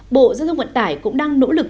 bộ dân thông vận tải cũng đang nỗ lực